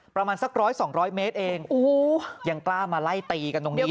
ประมาณสักร้อยสองร้อยเมตรเองยังกล้ามาไล่ตีกันตรงนี้